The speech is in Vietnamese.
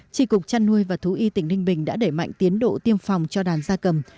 trị cục chăn nuôi và thú y tỉnh ninh bình đã đẩy mạnh tiến độ tiêm phòng cho đàn gia cầm